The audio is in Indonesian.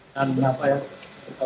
dan apa ya